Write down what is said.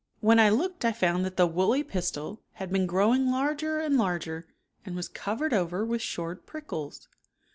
When I looked I found that the woolly pistil had been growing larger and larger and was covered over with short prickles.